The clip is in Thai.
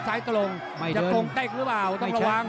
ตรงจะตรงเต้งหรือเปล่าต้องระวัง